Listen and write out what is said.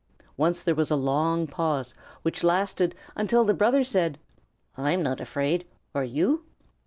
Once there was a long pause which lasted until the brother said: "I'm not afraid, are you?"